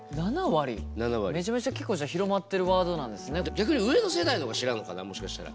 逆に上の世代の方が知らんのかなもしかしたら。